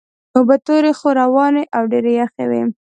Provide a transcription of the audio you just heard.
اوبه تورې خو روانې او ډېرې یخې وې.